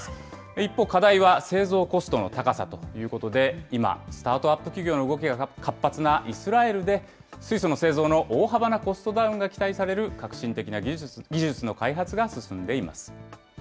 一方、課題は製造コストの高さということで、今、スタートアップ企業の動きが活発なイスラエルで、水素の製造の大幅なコストダウンが期待される革新的な技術の開発